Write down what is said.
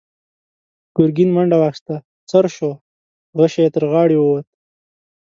ګرګين منډه واخيسته، څررر شو، غشۍ يې تر غاړې ووت.